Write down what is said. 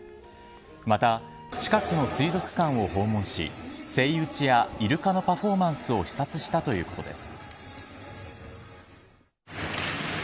また、近くの水族館を訪問しセイウチやイルカのパフォーマンスを視察したということです。